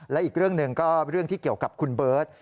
และอีกเรื่องหนึ่งก็เรื่องที่เกี่ยวกับคุณเบิร์ต